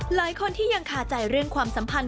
หลายคนที่ยังคาใจเรื่องความสัมพันธ